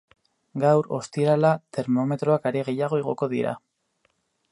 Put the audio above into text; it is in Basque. Gaur, ostirala, termometroak are gehiago igoko dira.